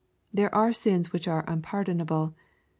There are sins which are unpardonable.